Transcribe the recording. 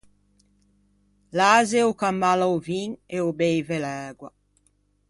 L’ase o camalla o vin e o beive l’ægua.